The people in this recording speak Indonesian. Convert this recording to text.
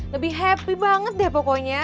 lebih happy banget deh pokoknya